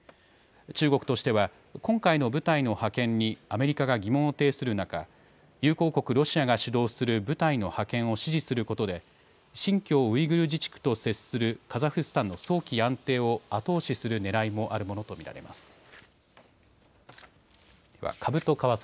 中国としては今回の部隊の派遣にアメリカが疑問を呈する中、友好国ロシアが主導する部隊の派遣を支持することで新疆ウイグル自治区と接するカザフスタンの早期安定を後押しするねらいもあるものと見られます。